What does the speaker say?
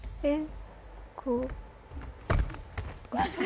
えっ？